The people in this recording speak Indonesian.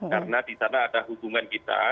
karena di sana ada hubungan kita